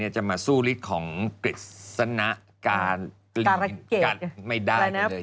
จะมาสู้ฤทธิ์ของกฤษนาการิกัดไม่ได้เลย